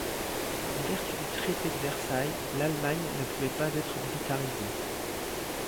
En vertu du traité de Versailles, l'Allemagne ne pouvait pas être militarisée.